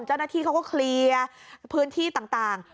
เจ้าหน้าที่เขาก็เคลียร์พื้นที่ต่าง